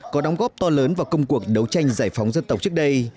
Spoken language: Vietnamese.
có đóng góp to lớn vào công cuộc đấu tranh giải phóng dân tộc trước đây